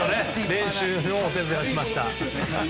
練習のお手伝いをしました。